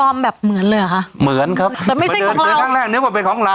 แบบเหมือนเลยเหรอคะเหมือนครับแต่ไม่ใช่ของเราครั้งแรกนึกว่าเป็นของเรา